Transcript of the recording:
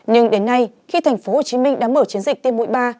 nhưng đến nay khi tp hcm đã mở chiến dịch tiêm mũi ba